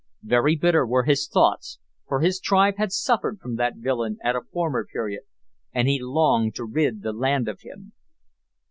Very bitter were his thoughts, for his tribe had suffered from that villain at a former period, and he longed to rid the land of him.